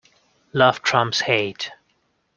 Love trumps hate.